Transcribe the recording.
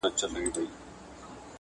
چي داسي نوې مانا توليد کړي